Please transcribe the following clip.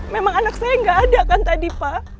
memang anak saya nggak ada kan tadi pak